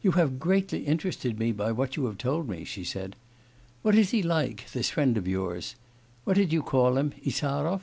'You have greatly interested me by what you have told me,' she said. 'What is he like, this friend of yours; what did you call him, Insarov?